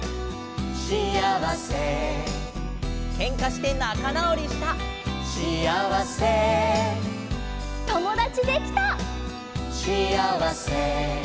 「シアワセ」「ケンカしてなかなおりした」「シアワセ」「ともだちできた」「シアワセ」